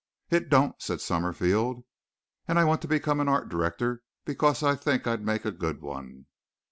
"It don't," said Summerfield. "And I want to become an art director because I think I'd make a good one."